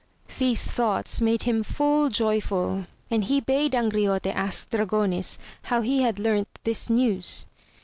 These thoughts made him full jojrful, and he bade Angriote ask Dragonis, how he had learnt this news.